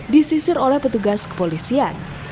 disisir oleh petugas kepolisian